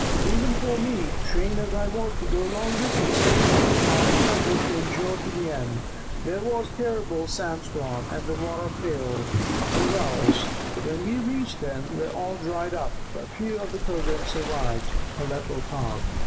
"Even for me, trained as I was to go long distances, it was a hard struggle to endure to the end. There was a terrible sand storm, and water failed; the wells, when we reached them, were all dried up, and but few of the pilgrims survived." Aleppo paused.